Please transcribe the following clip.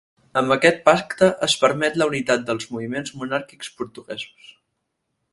Amb aquest pacte es permet la unitat dels moviments monàrquics portuguesos.